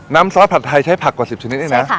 น้ำซอสผักไทยใช้ผักกว่า๑๐ชนิดเนี่ยนะ